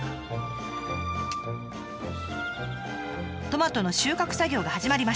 トマトの収穫作業が始まりました。